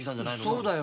そうだよ。